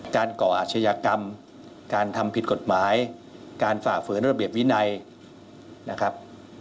ก่ออาชญากรรมการทำผิดกฎหมายการฝ่าฝืนระเบียบวินัยนะครับ